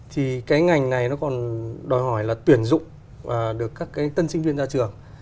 thì cái ngành này nó còn đòi hỏi là tuyển dụng được các cái tân sinh viên ra trường